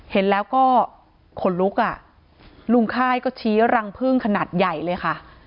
เห็นแล้วก็ขนลุกอ่ะลุงค่ายก็ชี้รังพึ่งขนาดใหญ่เลยค่ะ